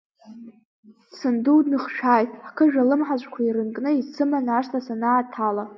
Санду дныхшәааит, ҳқыжә алымҳацәқәа ирынкны, исыманы ашҭа санааҭала.